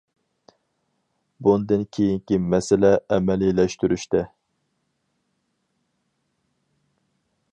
بۇندىن كېيىنكى مەسىلە ئەمەلىيلەشتۈرۈشتە.